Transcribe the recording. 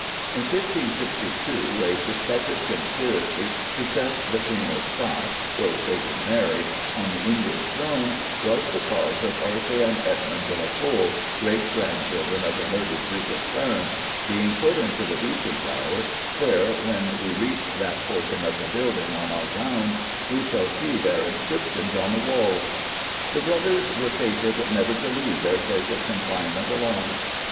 In 1562 a suspected conspiracy to set the Queen of Scots ill fated Mary on the English throne was the cause of Arthur and Edmund de la Pole, great grandchildren of the murdered Duke of Clarence, being put into the Beauchamp Tower, where, when we reach that portion of the buildings on our rounds, we shall see their inscriptions on the walls. The brothers were fated never to leave their place of confinement alive.